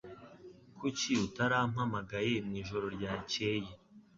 Kuki utarampamagaye mwijoro ryakeye